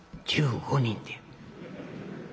「１５人で」。